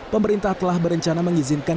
pemerintah telah berencana mengizinkan